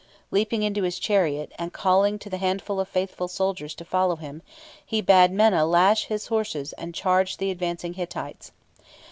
Leaping into his chariot, and calling to the handful of faithful soldiers to follow him, he bade Menna lash his horses and charge the advancing Hittites.